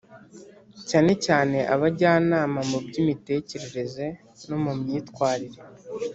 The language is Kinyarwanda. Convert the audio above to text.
cyane cyane abajyanama mu by imitekerereze no mu myitwarire